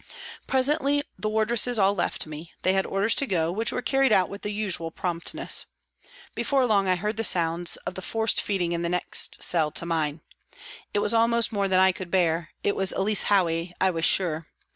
Presently the wardresses all left me, they had orders to go, which wer^e carried out with the usual promptness. Before long I heard the sounds of the forced feeding in the next cell to mine. It was almost more than I could bear, it was Elsie Howey, I was sure.